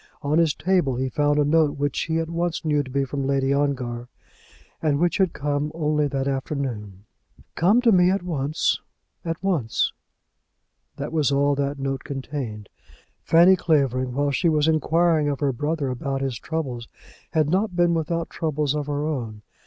On his table he found a note which he at once knew to be from Lady Ongar, and which had come only that afternoon. "Come to me at once; at once." That was all that the note contained. CHAPTER XXIII. CUMBERLY LANE WITHOUT THE MUD. Fanny Clavering, while she was inquiring of her brother about his troubles, had not been without troubles of her own.